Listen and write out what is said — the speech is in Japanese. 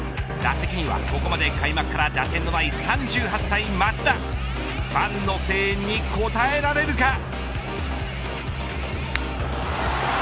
打席には、ここまで開幕から打点のない３８歳松田ファンの声援に応えられるか。